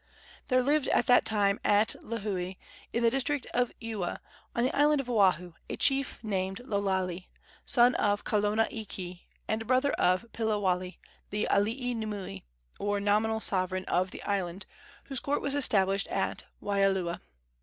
There lived at that time at Lihue, in the district of Ewa, on the island of Oahu, a chief named Lo Lale, son of Kalona iki, and brother of Piliwale, the alii nui, or nominal sovereign, of the island, whose court was established at Waialua.